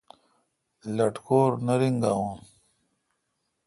لٹکور نہ رینگاوں۔